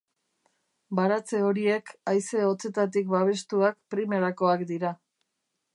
Baratze horiek, haize hotzetatik babestuak, primerakoak dira.